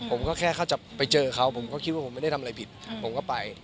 ผมก็แค่เขาจะไปเจอเขาผมก็คิดว่าผมไม่ได้ทำอะไรผิดผมก็ไป